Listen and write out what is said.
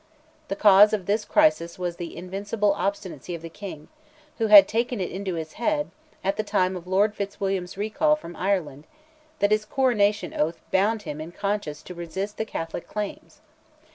The cause of this crisis was the invincible obstinacy of the King, who had taken into his head, at the time of Lord Fitzwilliam's recall from Ireland, that his coronation oath bound him in conscience to resist the Catholic claims.